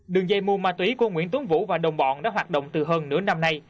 đường dây mua ma túy của nguyễn tuấn vũ và đồng bọn đã hoạt động từ hơn nửa năm nay